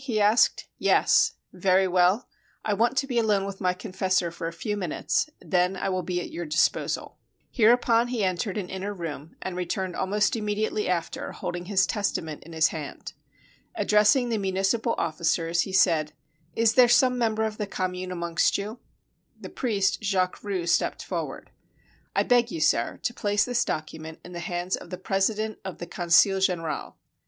he asked. "Yes." "Very well. I want to be alone with my confessor for a few minutes, and then I will be at your disposal." Hereupon he en tered an inner room, and returned almost immediately after, holding his testament in his hand. Addressing the municipal officers, he said: "Is there some member of the Commune amongst you?" The priest Jacques Roux stepped forward. "I beg you, sir, to place this document in the hands of the President of the Conseil General."